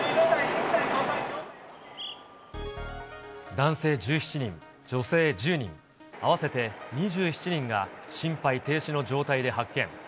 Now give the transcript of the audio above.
男性１７人、女性１０人、合わせて２７人が心肺停止の状態で発見。